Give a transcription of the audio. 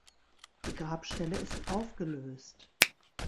Die Grabstelle ist aufgelöst.